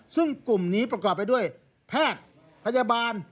ซึ่งกลุ่มนี้ประกอบไปด้วยแพทย์พยาบาล